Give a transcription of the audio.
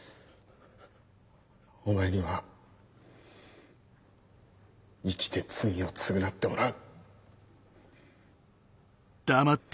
お前には生きて罪を償ってもらう。